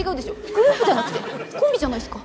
グループじゃなくてコンビじゃないっすか。